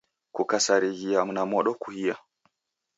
Kukasarighia na modo kuhia